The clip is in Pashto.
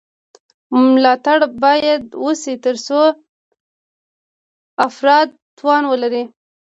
ملاتړ باید وشي ترڅو افراد توان ولري.